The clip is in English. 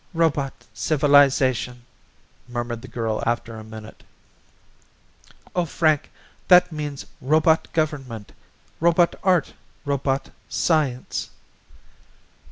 "Robot civilization," murmured the girl after a minute. "Oh, Frank, that means robot government, robot art, robot science